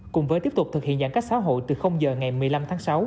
cùng với tiếp tục thực hiện giãn cách xã hội từ giờ ngày một mươi năm tháng sáu